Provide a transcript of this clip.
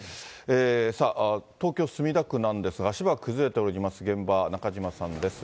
さあ、東京・墨田区なんですが、足場が崩れております現場、中島さんです。